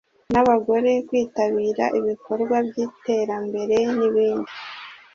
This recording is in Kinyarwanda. n’abagore kwitabira ibikorwa by’iterambere n’ibindi